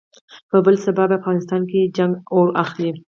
په بل سبا يې په افغانستان کې جګړه اور اخلي.